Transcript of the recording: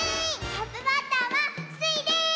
トップバッターはスイです！